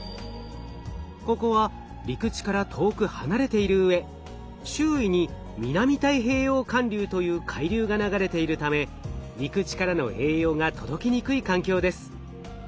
ここは陸地から遠く離れているうえ周囲に南太平洋環流という海流が流れているため陸地からの栄養が届きにくい環境です。